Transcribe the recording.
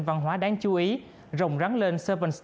văn hóa đáng chú ý rộng rắn lên